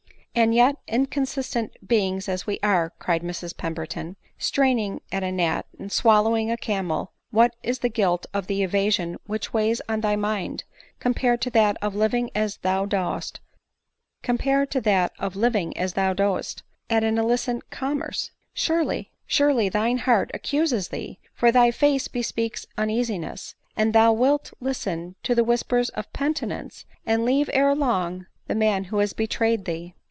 " And yet, inconsistent beings as we are," cried Mrs Pemberton, " straining at a gnat, and swallowing a camel, what is the guilt of the evasion which weighs tin thy mind, compared to that of living as thou dost, in an illicit commerce ? Surely, surely, mine heart accuses thee ; for thy face bespeaks uneasiness, and thou wilt listen to the whispers of penitence, and leave ere long, the man who has betrayed thee."